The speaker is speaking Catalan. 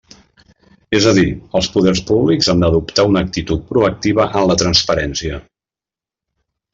És a dir, els poders públics han d'adoptar una actitud proactiva en la transparència.